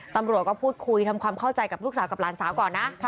ตำรวจก็พูดคุยทำความเข้าใจกับลูกสาวกับหลานสาวก่อนนะ